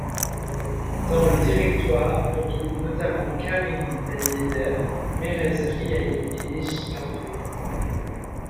Dans le directoire, on trouve notamment Karim Ben Yedder, Mehrez Riahi et Néji Ghandri.